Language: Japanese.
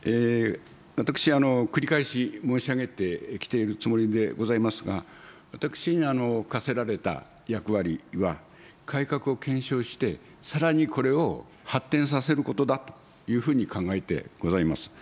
私、繰り返し申し上げてきているつもりでございますが、私に課せられた役割は、改革を検証して、さらにこれを発展させることだというふうに考えてございます。